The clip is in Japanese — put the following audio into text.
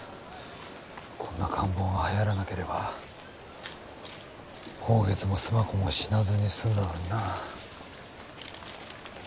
こんな感冒がはやらなければ抱月も須磨子も死なずに済んだのにな。